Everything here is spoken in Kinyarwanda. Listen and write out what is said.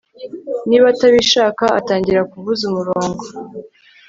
niba atabishaka atangira kuvuza umurongo